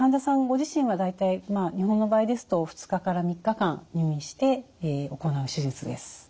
ご自身は大体日本の場合ですと２日から３日間入院して行う手術です。